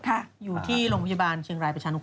อยู่ที่โรงพยาบาลเชียงรายประชานุค